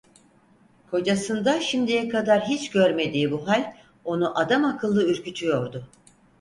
Kocasında şimdiye kadar hiç görmediği bu hal, onu adamakıllı ürkütüyordu.